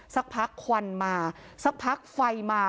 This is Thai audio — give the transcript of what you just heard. สักพักควันมาสักพักไฟมา